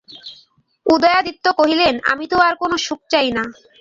উদয়াদিত্য কহিলেন, আমি তো আর কোনো সুখ চাই না।